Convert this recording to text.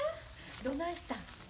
どないしたん？